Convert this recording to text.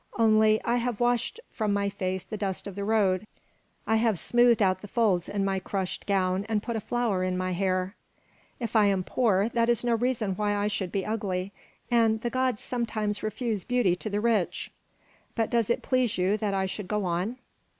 Only, I have washed from my face the dust of the road, I have smoothed out the folds in my crushed gown and put a flower in my hair. If I am poor, that is no reason why I should be ugly, and the gods sometimes refuse beauty to the rich. But does it please you that I should go on?"